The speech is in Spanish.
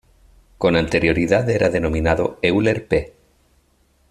Con anterioridad era denominado "Euler P".